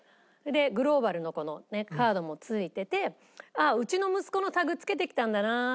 グローバルのカードも付いててうちの息子のタグ付けてきたんだなと思って。